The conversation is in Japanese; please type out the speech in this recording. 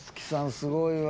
すごいわ。